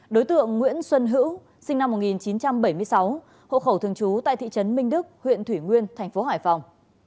đối tượng nguyễn xuân hữu sinh năm một nghìn chín trăm bảy mươi sáu hộ khẩu thường trú tại thị trấn minh đức huyện thủy nguyên thành phố hải phòng